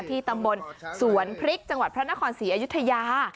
ที่ตำบลสวนพริกจังหวัดพระนครศรีอยุธยา